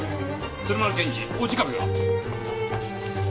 鶴丸検事お時間が。